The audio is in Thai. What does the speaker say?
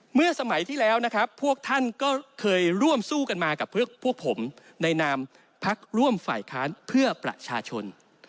สมัยที่แล้วนะครับพวกท่านก็เคยร่วมสู้กันมากับพวกผมในนามพักร่วมฝ่ายค้านเพื่อประชาชน